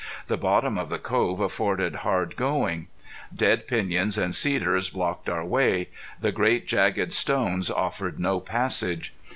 The bottom of the cove afforded hard going. Dead piñons and cedars blocked our way; the great, jagged stones offered no passage.